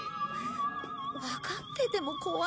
わかってても怖いなあ。